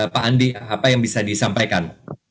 pak andi apa yang bisa disampaikan